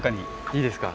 いいですか？